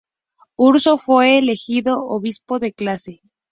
Urso fue elegido obispo de Classe.